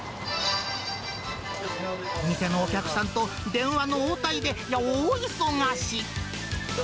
店のお客さんと、電話の応対で大忙し。